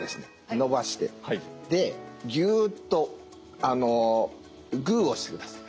伸ばしてでギューッとグーをしてください。